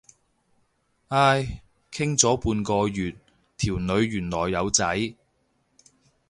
唉，傾咗半個月，條女原來有仔。